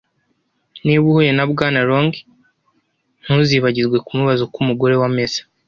Niba uhuye na Bwana Long, ntuzibagirwe kumubaza uko umugore we ameze.